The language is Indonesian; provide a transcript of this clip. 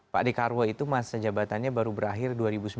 pak dekarwo itu masa jabatannya baru berakhir dua ribu sembilan belas